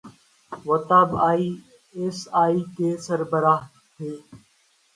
وہ تب I S I کے سربراہ تھے۔